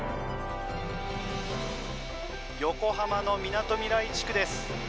横浜のみなとみらい地区です。